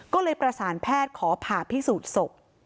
ก็เลยประสานแพทย์ขอผ่าพิสูจน์ศพ